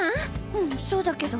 うんそうだけど？